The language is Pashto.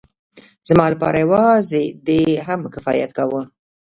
زما لپاره يوازې دې هم کفايت کاوه.